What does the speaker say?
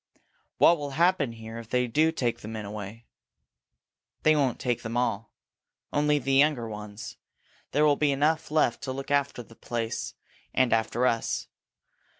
"What will happen here if they do take the men away?" "They won't take them all. Only the younger ones. There will be enough left to look after the place and after us.